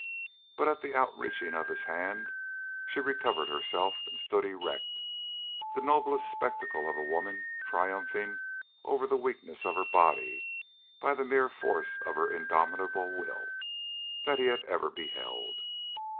But at the outreaching of his hand she recovered herself and stood erect, the noblest spectacle of a woman triumphing over the weakness of her body by the mere force of her indomitable will, that he had ever beheld.